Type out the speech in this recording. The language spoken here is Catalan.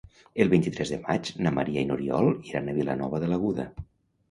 El vint-i-tres de maig na Maria i n'Oriol iran a Vilanova de l'Aguda.